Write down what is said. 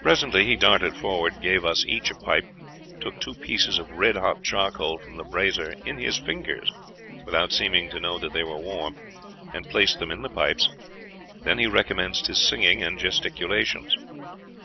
Presently he darted forward, gave us each a pipe, took two pieces of red hot charcoal from the brazier in his fingers, without seeming to know that they were warm, and placed them in the pipes; then he recommenced his singing and gesticulations.